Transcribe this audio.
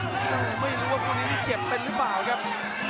ไม่รู้ว่าผู้นี้จะเจ็บเป็นหรือเปล่าครับ